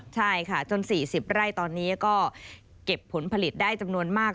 ใช่ค่ะจน๔๐ไร่ตอนนี้ก็เก็บผลผลิตได้จำนวนมาก